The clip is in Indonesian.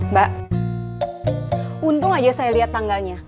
mbak untung aja saya lihat tanggalnya